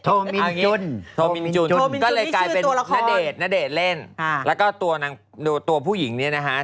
โทมินจุนโทมินจุนก็เลยกลายเป็นนเดชน์นเดชน์เล่นแล้วก็ตัวผู้หญิงเนี่ยนะฮะ